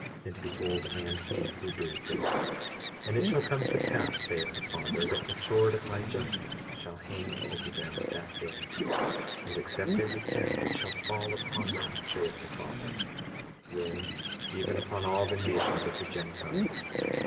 And behold, I am he who doeth it. 20:20 And it shall come to pass, saith the Father, that the sword of my justice shall hang over them at that day; and except they repent it shall fall upon them, saith the Father, yea, even upon all the nations of the Gentiles.